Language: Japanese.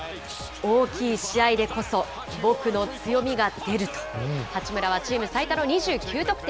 大きい試合でこそ僕の強みが出ると、八村はチーム最多の２９得点。